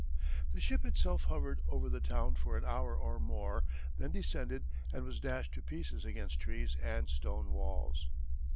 The ship itself hovered over the town for an hour or more, then descended and was dashed to pieces against trees and stone walls.